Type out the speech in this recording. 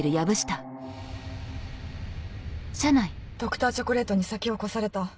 Ｄｒ．チョコレートに先を越された。